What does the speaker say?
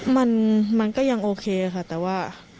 มันมันก็ยังโอเคค่ะแต่ว่า